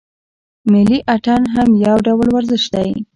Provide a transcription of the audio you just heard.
ملي اتڼ هم یو ډول ورزش دی.